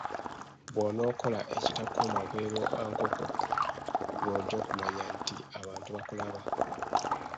Bw'onookola ekitakuuma bweru bwa nkoko, lw'ojja okumanya nti abantu bakulaba.